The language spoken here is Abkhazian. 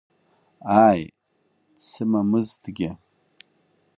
Ааи, дсымамызҭгьы.